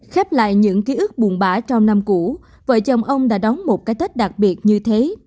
khép lại những ký ức buồn bã trong năm cũ vợ chồng ông đã đóng một cái tết đặc biệt như thế